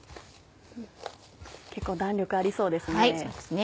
結構弾力ありそうですね。